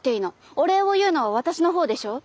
お礼を言うのは私の方でしょう。